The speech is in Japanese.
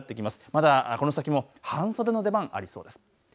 まだ、この先も半袖の出番がありそうです。